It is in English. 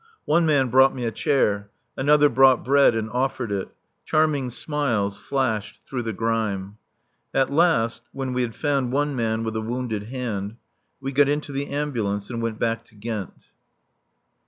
One man brought me a chair; another brought bread and offered it. Charming smiles flashed through the grime. At last, when we had found one man with a wounded hand, we got into the ambulance and went back to Ghent.